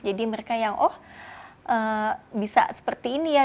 jadi mereka yang oh bisa seperti ini ya